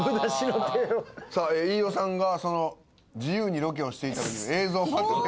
さあ飯尾さんがその自由にロケをしていた時の映像。